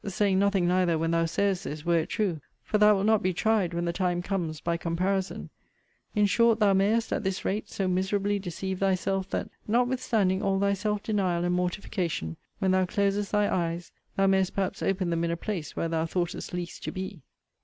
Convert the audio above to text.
Saying nothing, neither, when thou sayest this, were it true: for thou wilt not be tried, when the time comes, by comparison. In short, thou mayest, at this rate, so miserably deceive thyself, that, notwithstanding all thy self denial and mortification, when thou closest thy eyes, thou mayst perhaps open them in a place where thou thoughtest least to be.